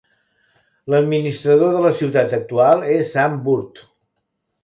L'administrador de la ciutat actual és Sam Burt.